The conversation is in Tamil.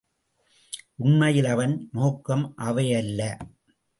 உண்மையில் அவன் நோக்கம் அவையல்ல.